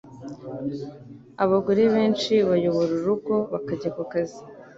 Abagore benshi bayobora urugo bakajya kukazi.